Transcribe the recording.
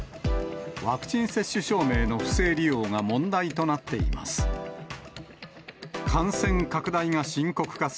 ワクチン接種証明の不正利用が問題となっています。